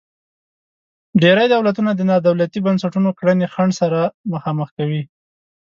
ډیری دولتونه د نا دولتي بنسټونو کړنې خنډ سره مخامخ کوي.